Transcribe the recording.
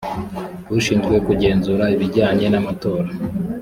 ishinzwe kugenzura ibijyanye n amatora